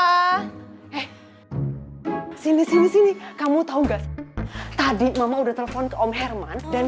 eh sini sini sini kamu tau gak tadi mama udah telepon ke om herman